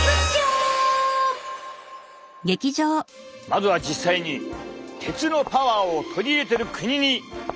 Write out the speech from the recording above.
まずは実際に鉄のパワーを取り入れてる国に行ってみたぞ！